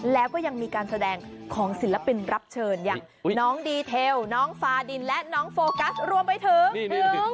แล้วก็ยังมีการแสดงของศิลปินรับเชิญอย่างน้องดีเทลน้องฟาดินและน้องโฟกัสรวมไปถึง